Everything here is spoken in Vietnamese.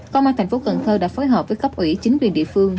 công an tp cn đã phối hợp với cấp ủy chính quyền địa phương